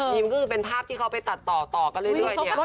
ก็คือเป็นภาพที่เขาไปตัดต่อกันเรื่อยเนี่ย